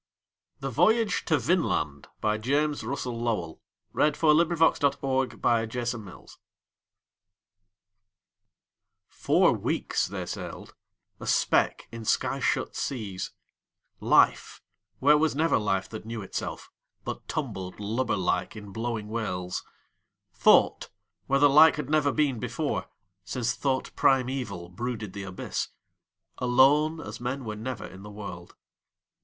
Introductory to America The Voyage to Vinland By James Russell Lowell (1819–1891) FOUR weeks they sailed, a speck in sky shut seas, Life, where was never life that knew itself, But tumbled, lubber like, in blowing whales; Thought, where the like had never been beforeSince Thought primeval brooded the abyss; Alone as men were never in the world.